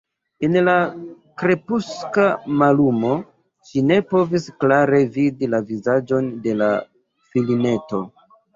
En la krepuska mallumo ŝi ne povis klare vidi la vizaĝon de la filineto.